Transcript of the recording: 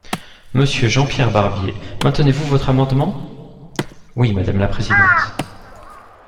Monsieur Jean-Pierre Barbier, maintenez-vous votre amendement ? Oui, madame la présidente.